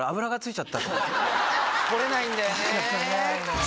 取れないんだよね。